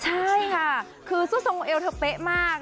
ใช่ค่ะคือสวดทรงองค์เอลเถอะเป๊ะมาก